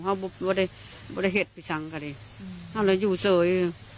เขาบุ๊บบุ๊บได้บุ๊บได้เฮ็ดพิสังค์กันเลยอ๋อแล้วอยู่เสวย